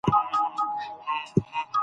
کلي د افغانستان د اقلیمي نظام ښکارندوی ده.